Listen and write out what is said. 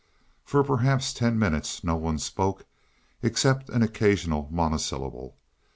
For perhaps ten minutes no one spoke except an occasional monosyllable.